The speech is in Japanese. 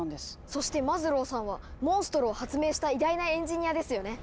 そしてマズローさんはモンストロを発明した偉大なエンジニアですよね。